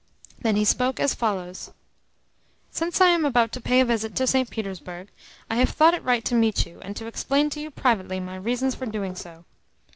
Then he spoke as follows: "Since I am about to pay a visit to St. Petersburg, I have thought it right to meet you, and to explain to you privately my reasons for doing so.